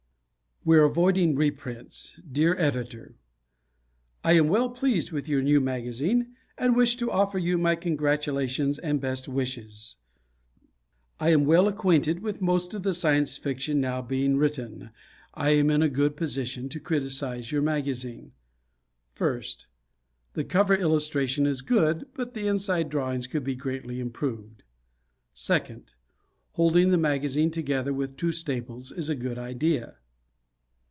We're Avoiding Reprints Dear Editor: I am well pleased with your new magazine and wish to offer you my congratulations and best wishes. As I am well acquainted with most of the Science Fiction now being written, I am in a good position to criticize your magazine. First: The cover illustration is good, but the inside drawings could be greatly improved. Second: Holding the magazine together with two staples is a good idea.